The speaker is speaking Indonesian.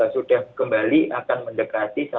sudah kembali akan mendekati